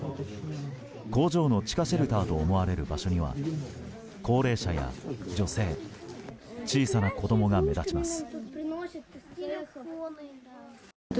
工場の地下シェルターと思われる場所には高齢者や女性小さな子供が目立ちます。